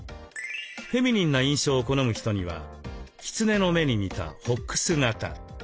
フェミニンな印象を好む人にはキツネの目に似たフォックス型。